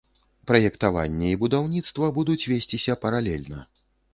Праектаванне і будаўніцтва будуць весціся паралельна.